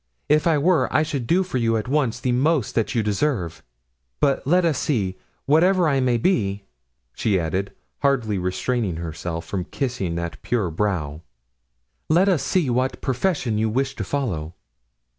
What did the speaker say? If I were I should do for you at once the most that you deserve. But let us see; whatever I may be," she added, hardly restraining herself from kissing that pure brow, "let us see what profession you wish to follow."